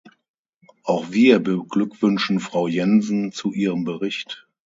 Auch wir beglückwünschen Frau Jensen zu ihrem Bericht.